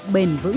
bền vững lớn mạnh